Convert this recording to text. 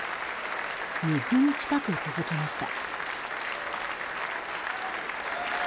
２分近く続きました。